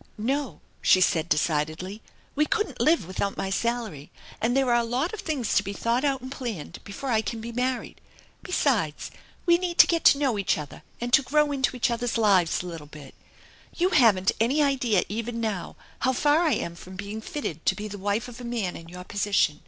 " No," she said decidedly. " We couldn't live without my salary, and there are a lot of things to be thought out and planned before I can be married. Besides, we need to get to know each other and to grow into each other's lives a little bit. You haven't any idea even now how far I am from being fitted to be the wife of a man in your position.